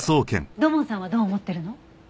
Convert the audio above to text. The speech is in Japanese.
土門さんはどう思ってるの？